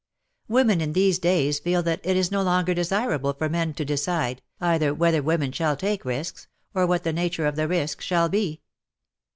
Women in these days feel that it is no longer desirable for men to decide, either whether women shall take risks, or what the nature of the risk shall be.